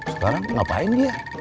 sekarang ngapain dia